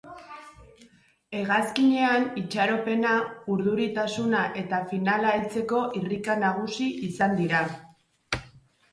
Hegazkinean itxaropena, urduritasuna eta finala heltzeko irrika nagusi izan dira.